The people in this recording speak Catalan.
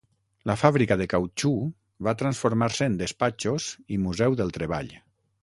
La fàbrica de cautxú va transformar-se en despatxos i Museu del Treball.